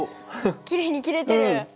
おっきれいに切れてる。